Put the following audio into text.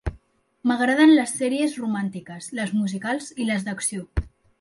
M'agraden les sèries romàntiques, les musicals i les d'acció.